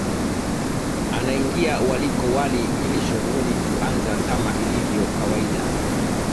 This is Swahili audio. Anaingia waliko wali ili shughuli kuanza kama ilivyo kawaida